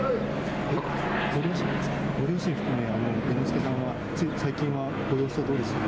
ご両親含め、猿之助さんは、つい最近は、ご様子はどうでしたか？